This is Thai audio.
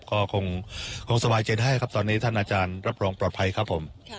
ก็คงสบายใจได้ครับตอนนี้ท่านอาจารย์รับรองปลอดภัยครับผม